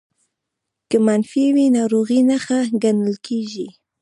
که منفي وي ناروغۍ نښه ګڼل کېږي